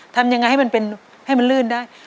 ทำยังไงให้มันให้มันลื่นได้